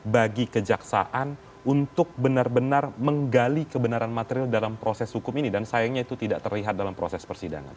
bagi kejaksaan untuk benar benar menggali kebenaran material dalam proses hukum ini dan sayangnya itu tidak terlihat dalam proses persidangan